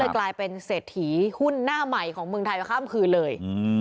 กลายเป็นเศรษฐีหุ้นหน้าใหม่ของเมืองไทยข้ามคืนเลย